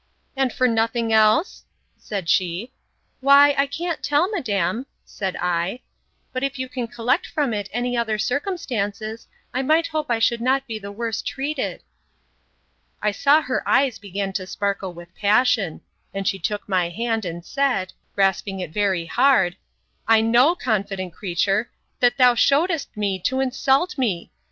—And for nothing else? said she. Why, I can't tell, madam, said I: But if you can collect from it any other circumstances, I might hope I should not be the worse treated. I saw her eyes began to sparkle with passion: and she took my hand, and said, grasping it very hard, I know, confident creature, that thou shewedst it me to insult me!